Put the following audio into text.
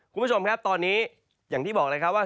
คุณผู้ชมครับตอนนี้อย่างที่บอกเลยครับว่า